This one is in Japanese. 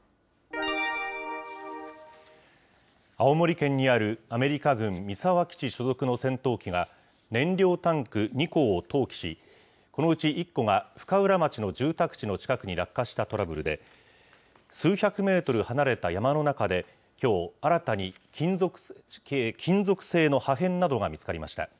青森県にあるアメリカ軍三沢基地所属の戦闘機が、燃料タンク２個を投棄し、このうち１個が深浦町の住宅地の近くに落下したトラブルで、数百メートル離れた山の中できょう、新たに金属製の破片などが見つかりました。